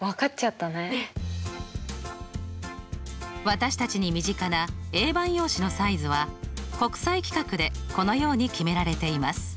私たちに身近なＡ判用紙のサイズは国際規格でこのように決められています。